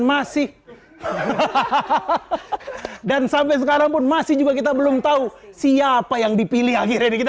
masih hahaha dan sampai sekarang pun masih juga kita belum tahu siapa yang dipilih akhirnya di kita